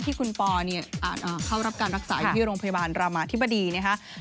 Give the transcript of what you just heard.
ที่คุณปอเข้ารับการรักษาอยู่ที่โรงพยาบาลรามาธิบดีนะครับ